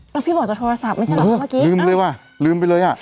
แล้วพี่บอกจะโทรศัพท์ไม่ใช่เหรอคะเมื่อกี้ลืมเลยว่ะลืมไปเลยอ่ะ